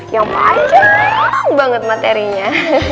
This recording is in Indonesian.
yang panjang banget materinya